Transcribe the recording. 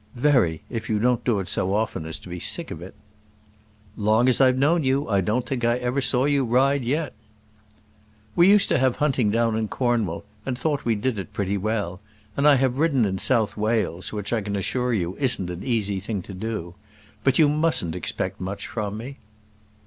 "Very; if you don't do it so often as to be sick of it." "Long as I have known you I don't think I ever saw you ride yet." "We used to have hunting down in Cornwall, and thought we did it pretty well. And I have ridden in South Wales, which I can assure you isn't an easy thing to do. But you mustn't expect much from me."